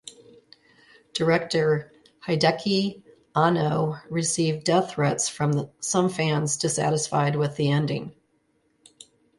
Director Hideaki Anno received death threats from some fans dissatisfied with the ending.